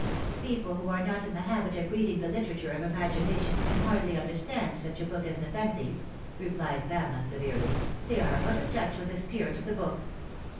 ' People who are not in the habit of reading the literature of imagination can hardly understand such a book as Nepenthe" replied Pamela severely. " They are out of touch with the spirit of the book."